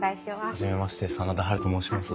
初めまして真田ハルと申します。